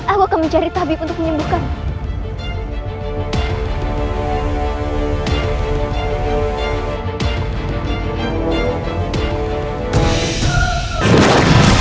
aku akan mencari tabib untuk menyembuhkan